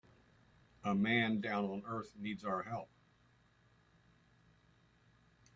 A man down on earth needs our help.